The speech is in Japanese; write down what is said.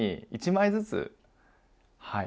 １枚ずつ？